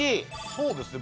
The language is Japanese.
そうですね